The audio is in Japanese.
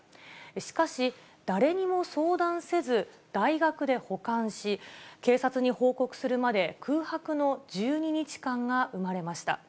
しかし、誰にも相談せず、大学で保管し、警察に報告するまで空白の１２日間が生まれました。